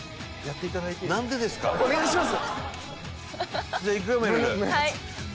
お願いします！